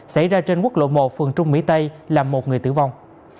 xảy ra trên quốc lộ một phường trung mỹ tây làm một người tử vong